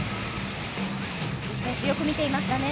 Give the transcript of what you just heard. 鈴木選手、よく見ていましたね。